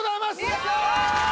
やった！